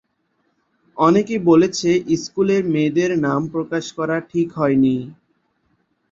অনেকে বলেছে স্কুলের মেয়েদের নাম প্রকাশ করা ঠিক হয়নি।